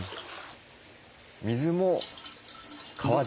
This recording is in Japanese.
水も川で？